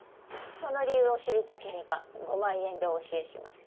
その理由を知りたければ５万円でお教えします